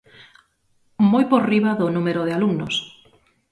Moi por riba do número de alumnos.